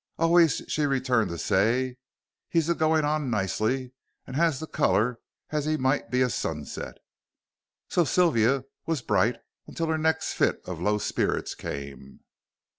Always she returned to say, "He's a goin' on nicely, and has that color as he might be a sunset." So Sylvia was bright until her next fit of low spirits came.